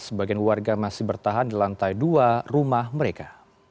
sebagian warga masih bertahan di lantai dua rumah mereka